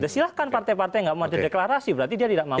silahkan partai partai tidak mendeklarasi berarti dia tidak mampu